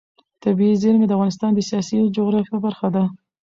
طبیعي زیرمې د افغانستان د سیاسي جغرافیه برخه ده.